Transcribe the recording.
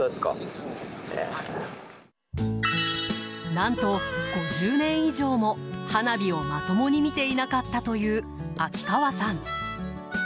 何と５０年以上も、花火をまともに見ていなかったという秋川さん。